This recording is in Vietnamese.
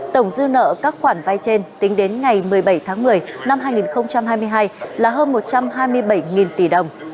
tổng dư nợ các khoản vay trên tính đến ngày một mươi bảy tháng một mươi năm hai nghìn hai mươi hai là hơn một trăm hai mươi bảy tỷ đồng